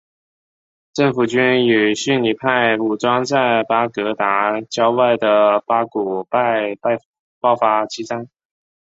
政府军与逊尼派武装在巴格达郊外的巴古拜爆发激战。